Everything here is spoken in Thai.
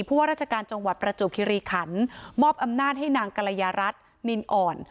ว่าราชการจังหวัดประจวบคิริขันมอบอำนาจให้นางกรยารัฐนินอ่อน